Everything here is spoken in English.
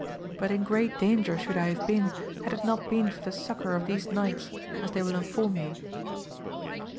But in great danger should I have been had it not been for the succour of these knights, as they will inform you.